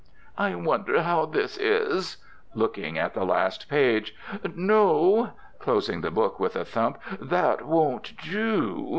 "I wonder how this is" (looking at the last page). "No" (closing the book with a thump), "that won't do."